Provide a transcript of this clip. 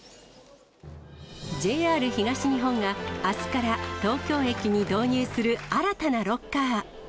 ＪＲ東日本があすから東京駅に導入する新たなロッカー。